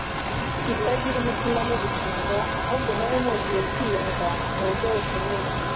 itagira umutima n’ubugingo, ahubwo nari nuzuye kwiyanga mu buryo bukomeye.